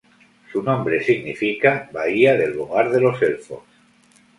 Su nombre significa "Bahía del Hogar de los Elfos".